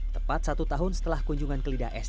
tepat satu tahun setelah kunjungan kelida est